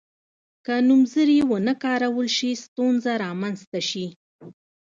که نومځري ونه کارول شي ستونزه رامنځته شي.